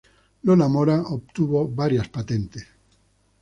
Lola Mora obtuvo varias patentes.